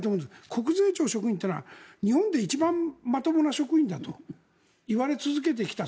国税庁職員は日本で一番まともな職員だと言われ続けてきた。